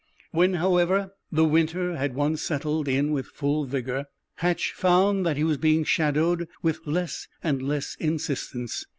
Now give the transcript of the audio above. When, however, the winter had once settled in with full rigor, Hatch found that he was being shadowed with less and less insistence.